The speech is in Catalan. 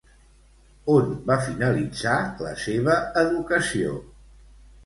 On va finalitzar la seva educació?